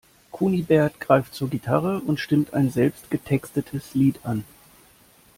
Kunibert greift zur Gitarre und stimmt ein selbst getextetes Lied an.